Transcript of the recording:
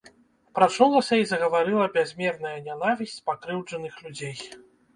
Прачнулася і загаварыла бязмерная нянавісць пакрыўджаных людзей.